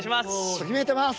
ときめいてます！